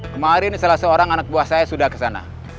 kemarin salah seorang anak buah saya sudah ke sana